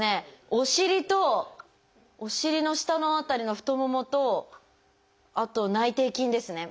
お尻とお尻の下の辺りの太ももとあと内転筋ですね。